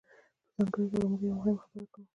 په ځانګړې توګه موږ یوه مهمه خبره کوو.